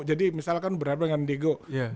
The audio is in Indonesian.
jadi misalkan berada dengan diego